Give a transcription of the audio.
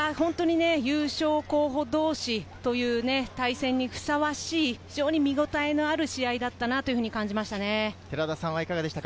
優勝候補同士という対戦にふさわしい見応えのある試合だったと感じます。